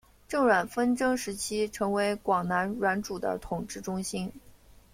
郑阮纷争时期成为广南阮主的统治中心。